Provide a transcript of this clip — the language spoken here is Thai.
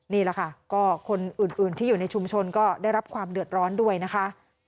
นี่แหละค่ะก็คนอื่นที่อยู่ในชุมชนก็ได้รับความเดือดร้อนด้วยนะคะ